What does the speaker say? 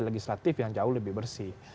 legislatif yang jauh lebih bersih